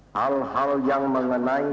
hal hal yang mengenai